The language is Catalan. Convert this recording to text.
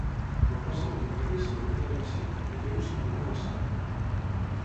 Quan passa el contrari s'anomena elevació, nivell o simplement alçada.